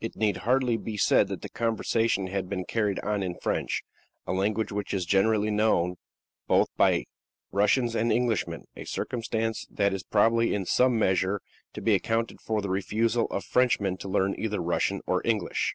It need hardly be said that the conversation had been carried on in French, a language which is generally known both by Russians and Englishmen a circumstance that is probably in some measure to be accounted for by the refusal of Frenchmen to learn either Russian or English.